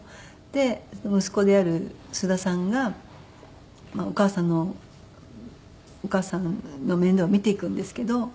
で息子である菅田さんがお母さんのお母さんの面倒を見ていくんですけど。